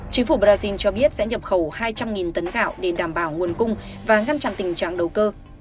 chính phủ brazil cho biết sẽ nhập khẩu hai trăm linh tấn gạo để đảm bảo nguồn cung và ngăn chặn tình trạng đầu cơ